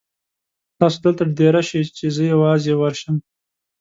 تاسو دلته دېره شئ چې زه یوازې ورشم.